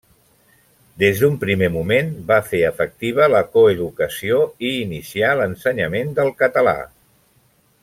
Des d'un primer moment va fer efectiva la coeducació i inicià l'ensenyament del català.